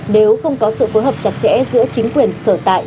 nếu không có sự phối hợp chặt chẽ giữa chính quyền sở tại